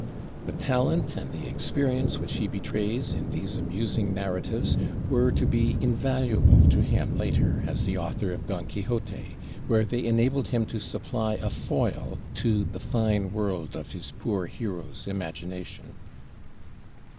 The talent and the experience which he betrays in these amusing narratives were to be invaluable to him later as the author of 'Don Quixote,' where they enabled him to supply a foil to the fine world of his poor hero's imagination.